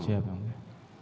siap yang mulia